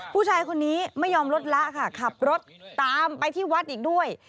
ผู้ชายคนนี้ไม่ยอมลดละค่ะขับรถตามไปที่วัดอีกด้วย